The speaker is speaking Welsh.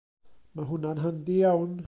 Mae hwnna'n handi iawn.